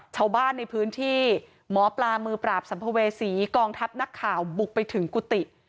ชาวบ้านในพื้นที่หมอปลามือปราบสัมภเวษีกองทัพนักข่าวบุกไปถึงกุฏิ